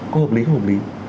có hợp lý không hợp lý